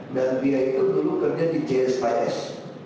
dan dia itu dulu kerja di csis